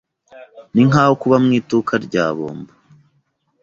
Ninkaho kuba mu iduka rya bombo.